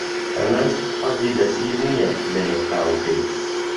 ئەنەس حەزی لە شیر نییە لەنێو قاوەکەی.